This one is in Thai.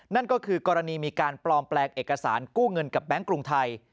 นั่นก็คือกรณีมีการปลอมแปลงเอกสารกู้เงินกับแบงค์กรุงไทย